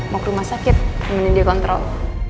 mau ke rumah sakit kemudian dia kontrol